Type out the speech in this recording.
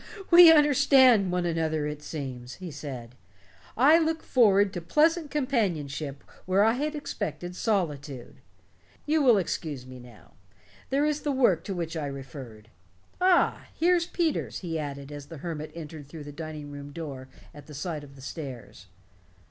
"We understand one another, it seems," he said. "I look forward to pleasant companionship where I had expected solitude. You will excuse me now there is the work to which I referred. Ah, here's Peters," he added as the hermit entered through the dining room door at the side of the stairs.